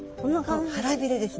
腹びれですね。